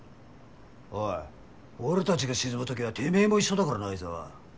おい俺たちが沈むときはてめぇも一緒だからな愛沢。